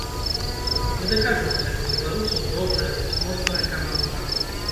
Мы даказалі, што ў беларусаў добрая, моцная каманда.